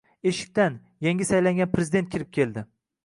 Eshikdan... yangi saylangan prezident kirib keldi!